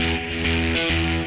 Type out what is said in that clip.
sampai jumpa liat